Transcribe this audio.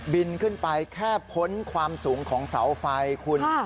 บินขึ้นไปแค่พ้นความสูงของเสาไฟคุณ